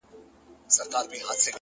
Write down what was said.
خدایه قربان دي- در واری سم- صدقه دي سمه-